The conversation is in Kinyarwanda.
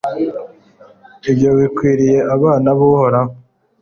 ibyo ibikwiriye abana b'uhoraho